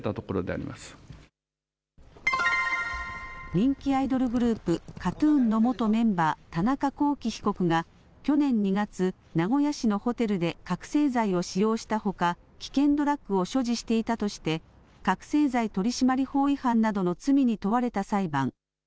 人気アイドルグループ、ＫＡＴ−ＴＵＮの元メンバー、田中聖被告が去年２月、名古屋市のホテルで覚醒剤を使用したほか危険ドラッグを所持していたとして覚醒剤取締法違反などの罪に問われた裁判。